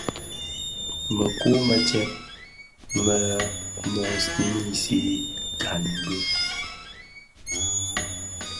Mëkuu më tsèb mèn mö nisi gaň bi.